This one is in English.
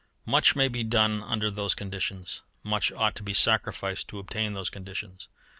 Much may be done under those conditions. Much ought to be sacrificed to obtain those conditions.